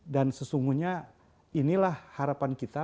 dan sesungguhnya inilah harapan kita